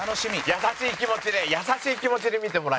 優しい気持ちで優しい気持ちで見てもらいたい。